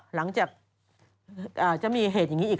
หลังจากจะมีเหตุอย่างนี้อีก